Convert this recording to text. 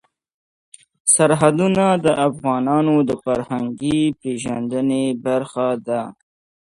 سرحدونه د افغانانو د فرهنګي پیژندنې برخه ده.